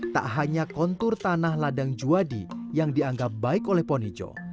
tak hanya kontur tanah ladang juwadi yang dianggap baik oleh ponijo